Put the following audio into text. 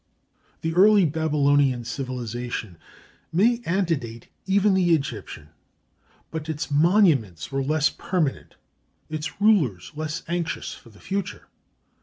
] The early Babylonian civilization may antedate even the Egyptian; but its monuments were less permanent, its rulers less anxious for the future.